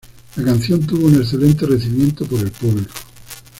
La canción tuvo un excelente recibimiento por el público..